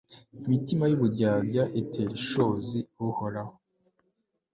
imitima y'uburyarya itera ishozi uhoraho